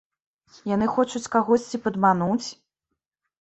Яны хочуць кагосьці падмануць?